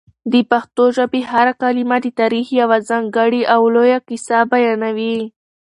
د پښتو ژبې هره کلمه د تاریخ یوه ځانګړې او لویه کیسه بیانوي.